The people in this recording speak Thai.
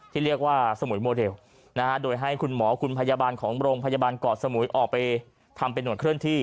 ที่เรียกว่าสมุยโมเดลโดยให้คุณหมอคุณพยาบาลของโรงพยาบาลเกาะสมุยออกไปทำเป็นห่วเคลื่อนที่